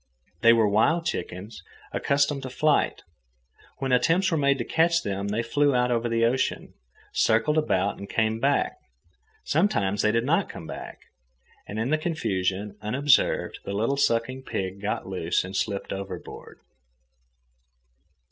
They were wild chickens, accustomed to flight. When attempts were made to catch them, they flew out over the ocean, circled about, and came back. Sometimes they did not come back. And in the confusion, unobserved, the little sucking pig got loose and slipped overboard.